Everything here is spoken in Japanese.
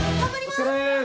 お疲れっす！